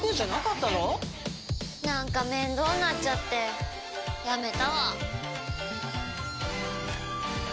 なんか面倒になっちゃってやめたわ。